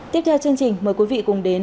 tiếp theo chương trình mời quý vị cùng đến